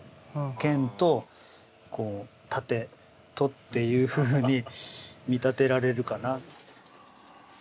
剣と盾とっていうふうに見立てられるかな。